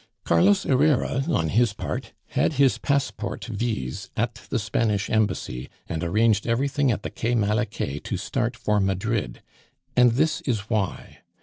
Carlos Herrera, on his part, had his passport vise at the Spanish Embassy, and arranged everything at the Quai Malaquais to start for Madrid. And this is why.